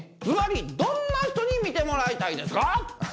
ズバリどんな人に見てもらいたいですか？